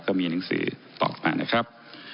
ก็มีหนังสือตอบมานะครับ